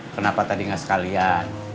kenapa tadi gak sekalian